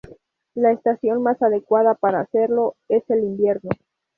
La estación más adecuada para hacerlo es el invierno.